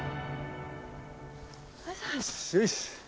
よし！